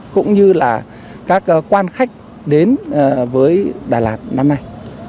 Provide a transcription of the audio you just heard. các quan khách đến với đà lạt năm nay